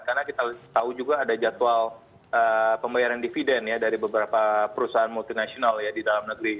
karena kita tahu juga ada jadwal pembayaran dividen ya dari beberapa perusahaan multinasional ya di dalam negeri